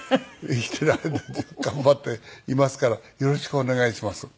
生きている間中頑張っていますからよろしくお願いします。